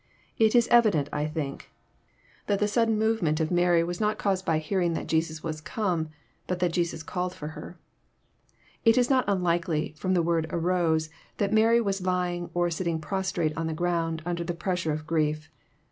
It is evident, I think, that the sudden movement of Maiy JOHN, CHAP. XI. 267 was not caused by hearing that Jesns was come, but that Jesus called for her. It is not unlikely, from the word arose, that Mary was lying or sitting prostrate on the ground, under the pressure of grief.